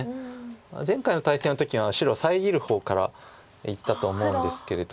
前回の対戦の時は白遮る方からいったと思うんですけれども。